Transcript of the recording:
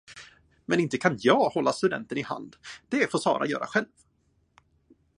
Men inte kan jag hålla studenten i hand, det får Sara göra själv.